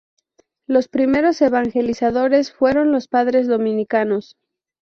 Los primeros evangelizadores fueron los padres dominicanos.